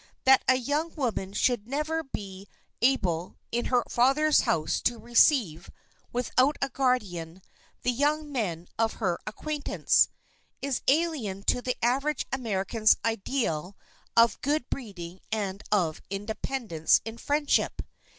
That a young woman should never be able in her father's house to receive, without a guardian, the young men of her acquaintance, is alien to the average American's ideal of good breeding and of independence in friendship.